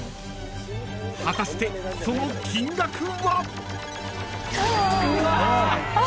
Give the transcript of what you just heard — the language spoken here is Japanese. ［果たしてその金額は？］